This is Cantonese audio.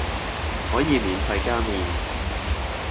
可以免費加麵